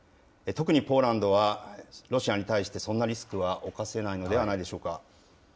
特にポーランドは、ロシアに対して、そんなリスクは冒せないのではないでしょうか。